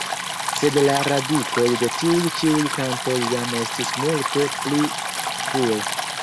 Sed la radikoj de tiuj ĉiuj kantoj jam estis multe pli rfue.